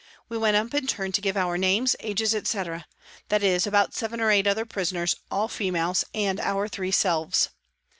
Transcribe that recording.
We went up in turn to give our names, ages, etc., that is, about seven or eight other prisoners, all females, and our three selves.